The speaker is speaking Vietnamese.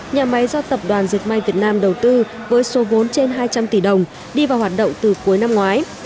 nhà máy do tập đoàn diệt may việt nam đầu tư với số vốn trên hai trăm linh tỷ đồng đi vào hoạt động từ cuối năm ngoái